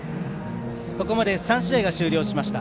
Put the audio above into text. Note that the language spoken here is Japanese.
ここまで３試合が終了しました。